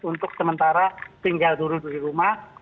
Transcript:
untuk sementara tinggal dulu di rumah